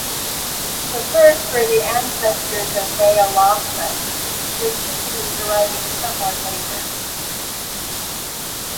The first were the ancestors of "Baeolophus", with chickadees arriving somewhat later.